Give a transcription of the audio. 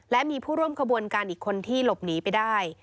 และมีผู้ร่วมขบวนการอีกคนที่หลบหนีไปได้